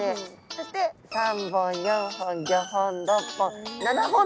そして３本４本５本６本７本とあります。